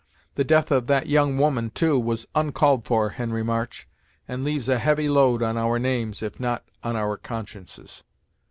The death of that young woman, too, was on called for, Henry March, and leaves a heavy load on our names if not on our consciences!"